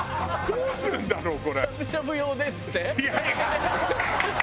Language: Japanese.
どうするんだろう？